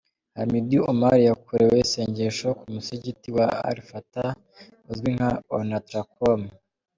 Hamidou omar yakorewe isengesho ku musigiti wa Al Fat’ha uzwi nka Onatracom